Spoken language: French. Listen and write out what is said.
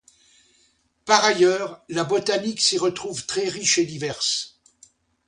Par ailleurs, la botanique s'y retrouve très riche et diverse.